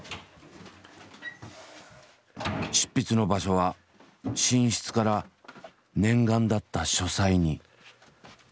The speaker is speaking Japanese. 執筆の場所は寝室から念願だった書斎に。